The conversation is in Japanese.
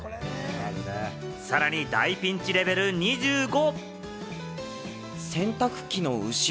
さらに大ピンチレベル２５。